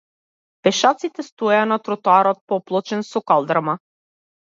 Пешаците стоеја на тротоарот поплочен со калдрма.